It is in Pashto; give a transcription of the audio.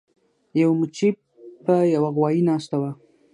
یوې مچۍ په یو غوایي ناسته وه.